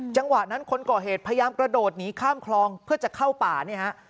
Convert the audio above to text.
จังหวะนั้นคนก่อเหตุพยายามกระโดดหนีข้ามคลองเพื่อจะเข้าป่าเนี่ยฮะ